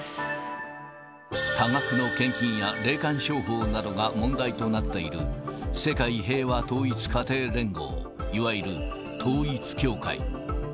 多額の献金や霊感商法などが問題となっている、世界平和統一家庭連合、いわゆる統一教会。